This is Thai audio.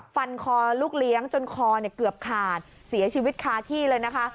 ฟันคอลูกเลี้ยงจนคอเกือบขาดเสียชีวิตคาที่เลยนะคะ